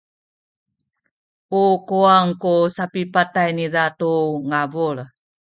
u kuwang ku sapipatay niza tu ngabul.